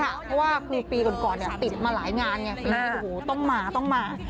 เพราะว่าครูปีก่อนติดมาหลายงานต้องมา